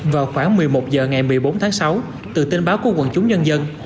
vào khoảng một mươi một h ngày một mươi bốn tháng sáu từ tin báo của quần chúng nhân dân